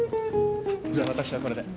じゃ私はこれで。